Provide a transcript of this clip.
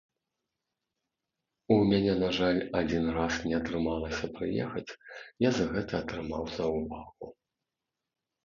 У мяне, на жаль, адзін раз не атрымалася прыехаць, я за гэта атрымаў заўвагу.